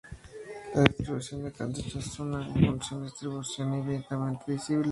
La distribución de Cauchy es una función de distribución infinitamente divisible.